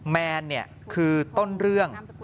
แมนเนี่ยคือต้นเรื่อง